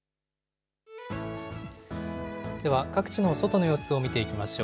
では各地の外の様子を見ていきましょう。